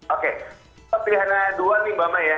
oke pilihan yang kedua nih bapak mas